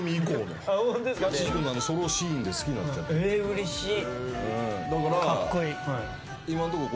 うれしい。